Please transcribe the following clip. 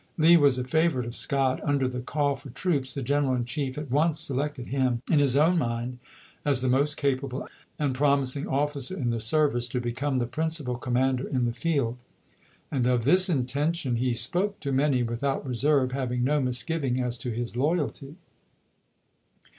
Lee was a favorite of Scott : under the call for troops the General in Chief at once selected him in his own mind as the most capable and promising officer in the service to become the principal com mander in the field ; and of this intention he spoke Vol. IV.— 7 98 ABEAHAM LINCOLN Chap. V. to many without reserve, having no misgiving as to his loyalty.